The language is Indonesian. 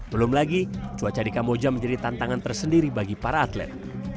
belum lagi cuaca di kamboja menjadi tantangan tersendiri bagi para atlet